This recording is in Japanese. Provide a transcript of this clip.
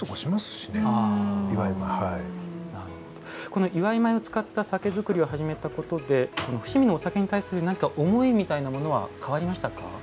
この祝米を使った酒造りを始めたことで伏見のお酒に対する何か思いみたいなものは変わりましたか？